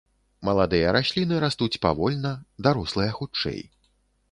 Маладыя расліны растуць павольна, дарослыя хутчэй.